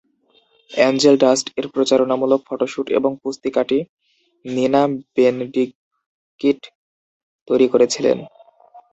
"Angel Dust" এর প্রচারণামূলক photoshoot এবং পুস্তিকাটি নিনা বেনডিগকিট তৈরি করেছিলেন।